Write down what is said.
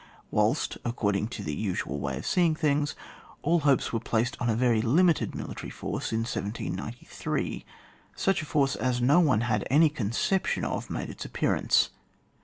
Whilst, according to the usual way of seeing things, all hopes were placed on a very limited military force in 1793, such a force as no one had any concep tion of, made its appearance.